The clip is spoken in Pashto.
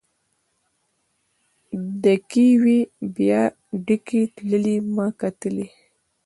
ډکې وې بیا ډکې تللې ما کتلی.